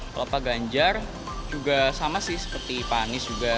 kalau pak ganjar juga sama sih seperti pak anies juga